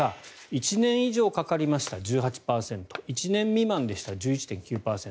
１年以上かかりました、１８％１年未満でした、１１．９％。